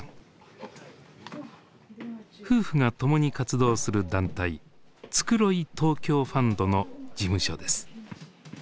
夫婦が共に活動する団体「つくろい東京ファンド」の事務所です。